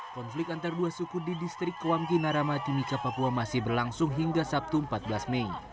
konflik antara dua suku di distrik kowamgi narama timika papua masih berlangsung hingga sabtu empat belas mei